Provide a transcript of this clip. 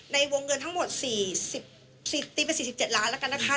ในวงเงินทั้งหมด๔๗ล้านละกันนะคะ